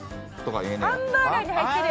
ハンバーガーに入ってる。